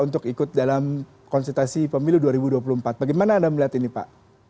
untuk ikut dalam konsultasi pemilu dua ribu dua puluh empat bagaimana anda melihat ini pak